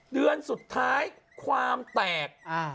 เดือนสุดท้ายความแตก